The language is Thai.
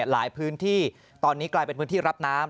หลายพื้นที่ตอนนี้กลายเป็นพื้นที่รับน้ำ